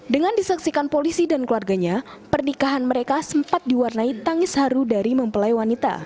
dengan disaksikan polisi dan keluarganya pernikahan mereka sempat diwarnai tangis haru dari mempelai wanita